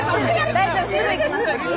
大丈夫すぐ行きます。